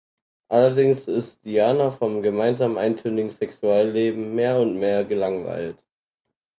Allerdings ist Diana vom gemeinsamen eintönigen Sexualleben mehr und mehr gelangweilt.